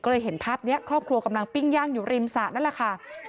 ก็เลยเห็นภาพนี้ครอบครัวกำลังปิ้งย่างอยู่ริมสระนั่นแหละค่ะ